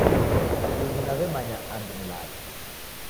Ini naw'emanya andu nilale